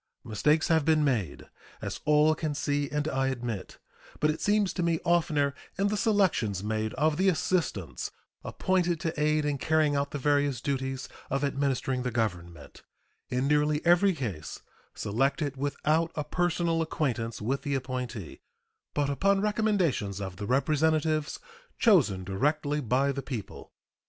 Mistakes have been made, as all can see and I admit, but it seems to me oftener in the selections made of the assistants appointed to aid in carrying out the various duties of administering the Government in nearly every case selected without a personal acquaintance with the appointee, but upon recommendations of the representatives chosen directly by the people.